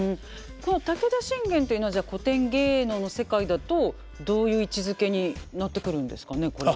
この武田信玄というのはじゃあ古典芸能の世界だとどういう位置づけになってくるんですかねこれは。